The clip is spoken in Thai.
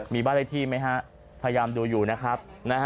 มีบ้านได้ที่มั้ยคะพยายามดูอยู่นะครับ